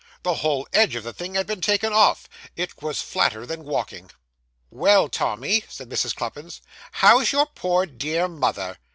The whole edge of the thing had been taken off it was flatter than walking. 'Well, Tommy,' said Mrs. Cluppins, 'how's your poor dear mother?